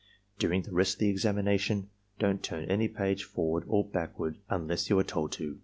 "During the rest of this examination don't turn any page forward or backward unless you are told to.